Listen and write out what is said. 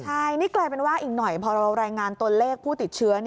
ใช่นี่กลายเป็นว่าอีกหน่อยพอเรารายงานตัวเลขผู้ติดเชื้อ